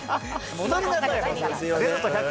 戻りなさい。